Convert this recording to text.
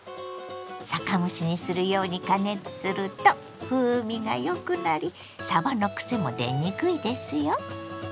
酒蒸しにするように加熱すると風味がよくなりさばのくせも出にくいですよ。